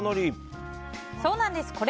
そうなんです。